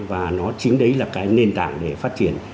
và nó chính đấy là cái nền tảng để phát triển